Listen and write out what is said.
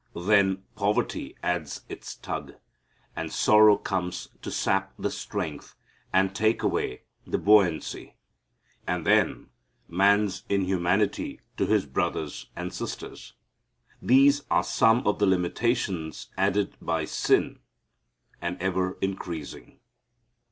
Then poverty adds its tug. And sorrow comes to sap the strength and take away the buoyancy. And then man's inhumanity to his brothers and sisters. These are some of the limitations added by sin and ever increasing.